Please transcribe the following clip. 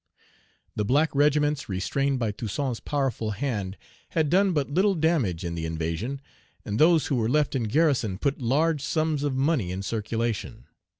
The black regiments, restrained by Toussaint's powerful hand, had done but little damage in the invasion; and those who were left in garrison put large sums of money in circulation.